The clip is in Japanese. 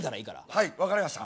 はい分かりました。